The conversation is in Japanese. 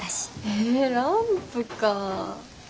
へえランプかぁ。